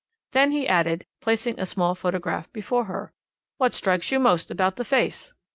Then he added, placing a small photograph before her: "What strikes you most about the face?"